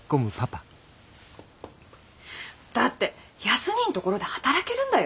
だって康にぃんところで働けるんだよ？